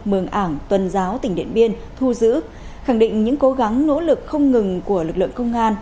mường ảng tuần giáo tỉnh điện biên thu giữ khẳng định những cố gắng nỗ lực không ngừng của lực lượng công an